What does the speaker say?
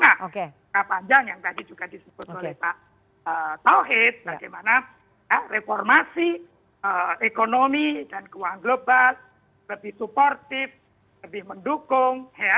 jangka panjang yang tadi juga disebut oleh pak tauhid bagaimana reformasi ekonomi dan keuangan global lebih suportif lebih mendukung